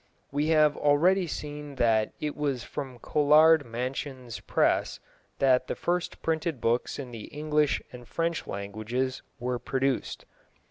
We have already seen that it was from Colard Mansion's press that the first printed books in the English and French languages were produced.